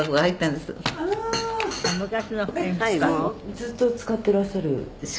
ずっと使ってらっしゃる？」